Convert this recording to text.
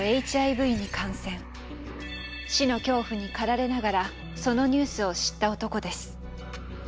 死の恐怖に駆られながらそのニュースを知った男です。